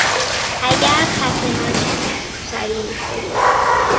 اگر خفه نشی تو سری میخوری!